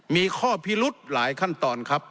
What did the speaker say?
มีข้อพิรุธหลายขั้นตอนครับ